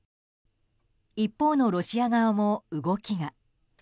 一方のロシア側も動きが。